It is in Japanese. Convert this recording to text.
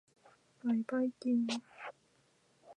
ばいばいきーーーん。